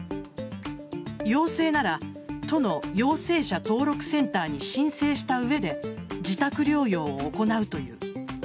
陽性なら都の陽性者登録センターに申請した上で自宅療養を行うという。